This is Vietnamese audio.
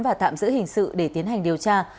và tạm giữ hình sự để tiến hành điều tra